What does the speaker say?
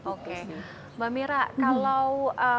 oke mbak mira kalau